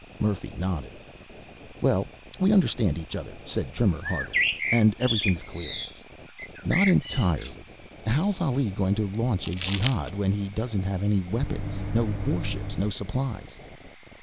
Murphy nodded. "Well, we understand each other," said Trimmer heartily, "and everything's clear." "Not entirely. How's Ali going to launch a jehad when he doesn't have any weapons, no warships, no supplies?"